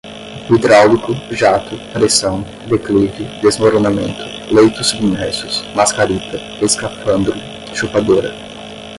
hidráulico, jato, pressão, declive, desmoronamento, leitos submersos, mascarita, escafandro, chupadora